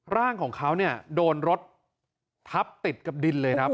ร่างของเขาเนี่ยโดนรถทับติดกับดินเลยครับ